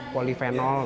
polifenol gitu kan